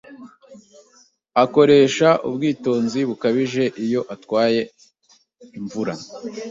Akoresha ubwitonzi bukabije iyo atwaye imvura.